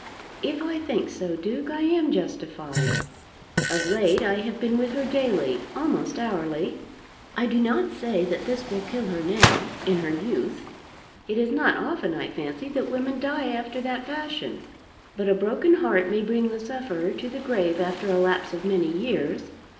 "If I think so, Duke, I am justified. Of late I have been with her daily, almost hourly. I do not say that this will kill her now, in her youth. It is not often, I fancy, that women die after that fashion. But a broken heart may bring the sufferer to the grave after a lapse of many years.